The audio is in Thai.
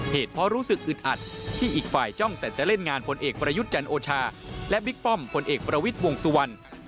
เหตุเพราะรู้สึกอึดอัดที่อีกฝ่ายจ้องแต่จะเล่นงานพลเอกประยุทธ์จันทร์โอชาและบิ๊กป้อมพลเอกประวิทย์วงสุวรรณ